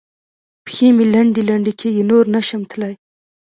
پښې مې لنډې لنډې کېږي؛ نور نه شم تلای.